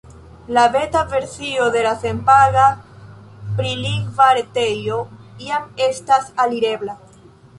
La beta versio de la senpaga prilingva retejo jam estas alirebla.